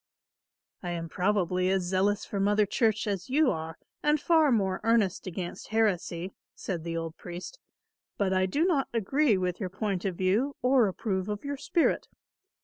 "I am probably as zealous for Mother Church as you are and far more earnest against heresy," said the old priest, "but I do not agree with your point of view or approve of your spirit.